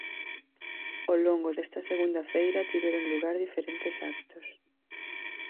Ao longo desta segunda feira tiveron lugar diferentes actos.